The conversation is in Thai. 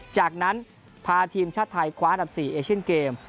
จากนั้นพาทีมชาติไทยคว้าอันดับ๔เอเชียนเกม